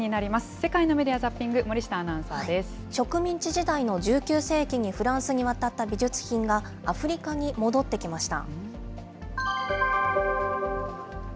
世界のメディア・ザッピング、森植民地時代の１９世紀にフランスに渡った美術品が、アフリカに戻ってきました。